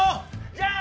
じゃあ！